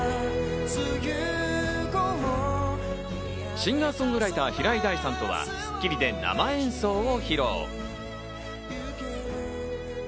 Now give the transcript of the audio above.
シンガー・ソングライターの平井大とは、『スッキリ』で生演奏を披露。